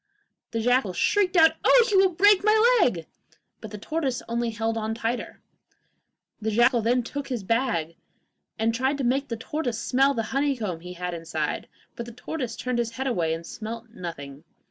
The jackal shrieked out: 'Oh, you will break my leg!' but the tortoise only held on the tighter. The jackal then took his bag and tried to make the tortoise smell the honeycomb he had inside; but the tortoise turned away his head and smelt nothing.